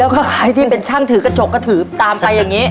ก็คล้ายที่เป็นช่างถือกระจกกระถือตามไปอย่างนี้